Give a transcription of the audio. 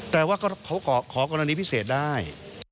แต่ว่าเขาขอกรณีพิเศษได้